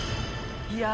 いや。